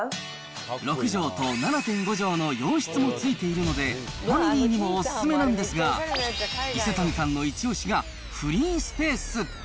６畳と７．５畳の洋室も付いているので、ファミリーにもおすすめなんですが、伊勢谷さんの一押しがフリースペース。